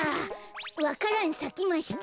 わか蘭さきました。